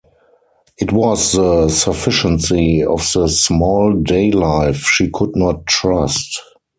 It was the sufficiency of the small day-life she could not trust.